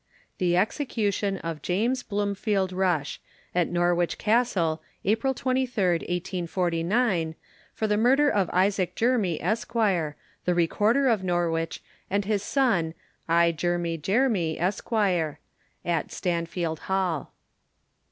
THE EXECUTION OF JAMES BLOOMFIELD RUSH AT NORWICH CASTLE, APRIL 23rd., 1849, For the murder of Isaac Jermy, Esq., the Recorder of Norwich, and his son, I. Jermy Jermy, Esq., AT STANFIELD HALL.